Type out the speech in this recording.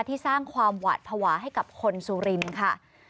สร้างความหวาดภาวะให้กับคนสุรินทร์ค่ะ